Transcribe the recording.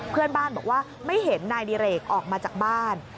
เพื่อนบ้านบอกว่าไม่เห็นนายดิเรกออกมาจากบ้าน